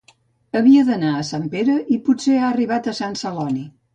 Havia d'anar a Sant Pere i potser ha arribat a Sant Celoni